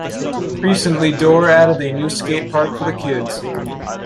Recently Dorr added a new skatepark for the kids.